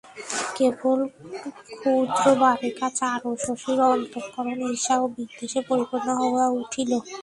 কেবল ক্ষুদ্র বালিকা চারুশশীর অন্তঃকরণ ঈর্ষা ও বিদ্বেষে পরিপূর্ণ হইয়া উঠিল।